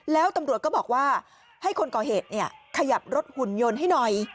แล้วตำรวจก็บอกว่าให้คนก่อเหตุขยับรถหุ่นยนต์ให้หน่อย